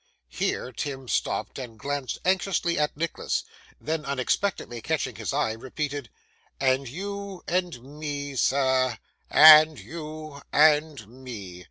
Here, Tim stopped and glanced anxiously at Nicholas; then unexpectedly catching his eye repeated, 'And you and me, sir, and you and me.